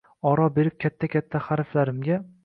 Oro berib katta-katta harflarimga